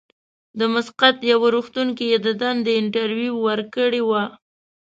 د مسقط یوه روغتون کې یې د دندې انټرویو ورکړې وه.